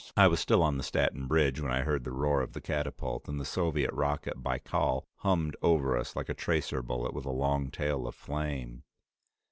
I was still on the Staten Bridge when I heard the roar of the catapult and the Soviet rocket Baikal hummed over us like a tracer bullet with a long tail of flame.